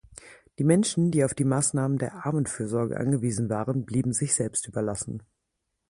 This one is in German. Die Menschen die auf die Maßnahmen der Armenfürsorge angewiesen waren, blieben sich selbst überlassen.